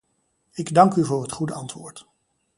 Ik dank u voor het goede antwoord.